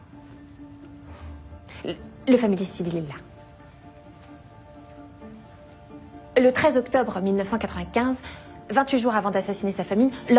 うん。